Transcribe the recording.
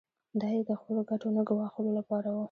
دا یې د خپلو ګټو نه ګواښلو لپاره و.